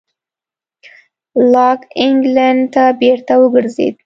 لاک انګلېنډ ته بېرته وګرځېد.